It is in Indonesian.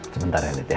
sebentar ya dit ya